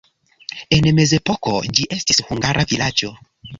En mezepoko ĝi estis hungara vilaĝo.